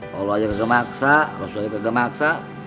kalau lu aja kagak maksa kalau suai kagak maksa